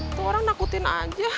itu orang nakutin aja